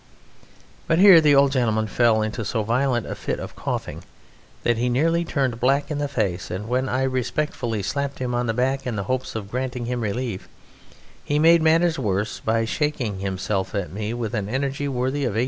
but here the old gentleman fell into so violent a fit of coughing that he nearly turned black in the face, and when I respectfully slapped him on the back, in the hopes of granting him relief, he made matters worse by shaking himself at me with an energy worthy of 1842.